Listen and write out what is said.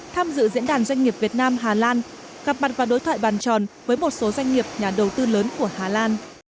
tham dự diễn đàn doanh nghiệp việt nam hà lan gặp mặt và đối thoại bàn tròn với một số doanh nghiệp nhà đầu tư lớn của hà lan